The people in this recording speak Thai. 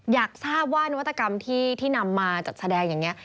อยากทราบว่านวัตกรรมที่นำมาจัดแสดงอย่างนี้